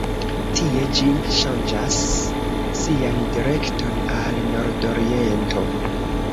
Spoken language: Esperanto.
Tie ĝi ŝanĝas sian direkton al nordoriento.